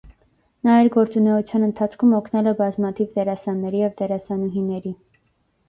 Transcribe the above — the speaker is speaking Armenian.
Նա իր գործունեության ընթացքում օգնել է բազմաթիվ դերասանների և դերասանուհիների։